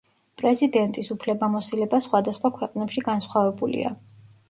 პრეზიდენტის უფლებამოსილება სხვადასხვა ქვეყნებში განსხვავებულია.